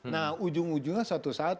nah ujung ujungnya suatu saat